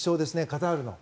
カタールの。